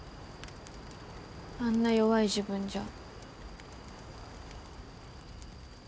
あんな弱い自分じゃ。